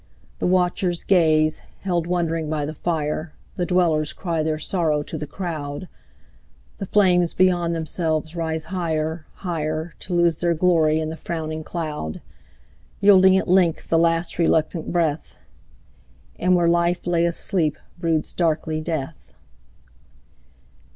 The watchers gaze, held wondering by the fire, The dwellers cry their sorrow to the crowd, The flames beyond themselves rise higher, higher, To lose their glory in the frowning cloud, Yielding at length the last reluctant breath. And where life lay asleep broods darkly death.